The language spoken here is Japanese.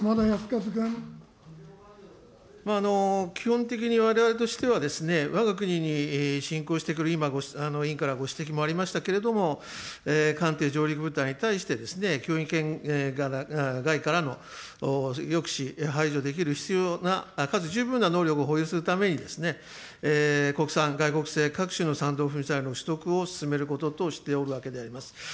基本的にわれわれとしては、わが国に侵攻してくる、今委員からご指摘もありましたけれども、艦艇上陸部隊に対して、外からの抑止、排除できる必要なかつ十分な能力を保有するために国産、外国製、各種のスタンド・オフ・ミサイルの配備を進めることとしておるわけであります。